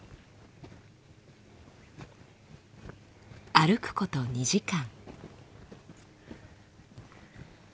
歩くこと２時間。